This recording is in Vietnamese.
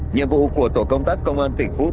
nhiệm vụ của tổ công tác công an thịnh phúc